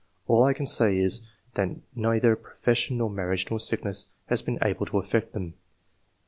All I can say is, that neither profession nor marriage nor sickness has been able to affect them.'